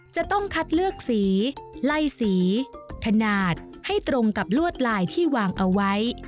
จะต้องคัดเลือกสีไล่สีขนาดให้ตรงกับลวดลายที่วางเอาไว้